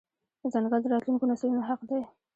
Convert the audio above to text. ځنګل د راتلونکو نسلونو حق دی.